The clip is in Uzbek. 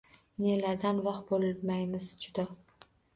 Nelardan, voh, boʼlmaymiz judo.